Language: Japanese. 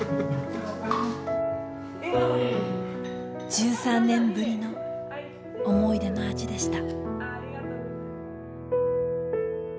１３年ぶりの思い出の味でした。